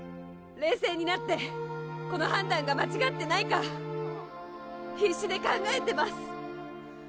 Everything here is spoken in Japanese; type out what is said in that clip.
冷静になってこの判断が間違ってないか必死で考えてます